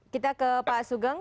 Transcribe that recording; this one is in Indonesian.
kita ke pak sugeng